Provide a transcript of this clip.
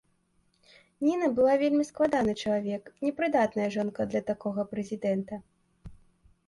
Ніна была вельмі складаны чалавек, непрыдатная жонка для такога прэзідэнта.